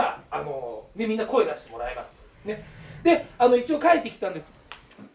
一応書いてきたんです。